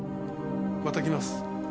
また来ます。